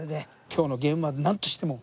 今日のゲームはなんとしても。